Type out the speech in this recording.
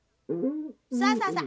さあさあさあ